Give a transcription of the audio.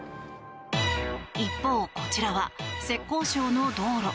一方、こちらは浙江省の道路。